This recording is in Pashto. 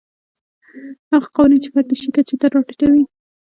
هغه قوانین چې فرد د شي کچې ته راټیټوي.